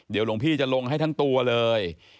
เดี๋ยวหลวงพี่จะลงให้ทั้งตัวเลย